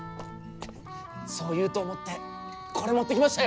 そう言うと思ってこれ持ってきましたよ。